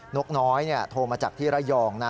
นกน้อยโทรมาจากที่ระยองนะ